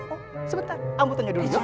oh sebentar ambo tanya dulu yuk